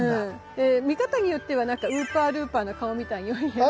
で見方によってはウーパールーパーの顔みたいにも見えません？